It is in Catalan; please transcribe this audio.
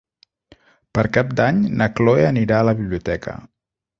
Per Cap d'Any na Chloé anirà a la biblioteca.